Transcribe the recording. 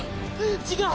違う！